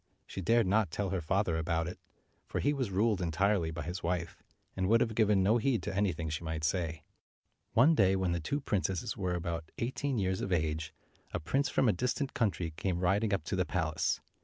She dared not tell her father about it, for he was ruled entirely by his wife, and would have given no heed to anything she might say. One day, when the two princesses were about 213 eighteen years of age, a prince from a distant country came riding up to the palace.